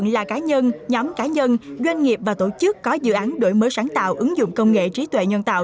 nhóm cá nhân doanh nghiệp và tổ chức có dự án đối mới sáng tạo ứng dụng công nghệ trí tuệ nhân tạo